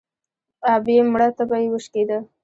ـ ابۍ مړه تبه يې وشکېده.